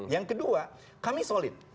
yang kedua kami solid